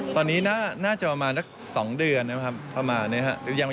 ตอนนี้น่าจะประมาณนัก๒เดือนนะครับประมาณนี้ครับ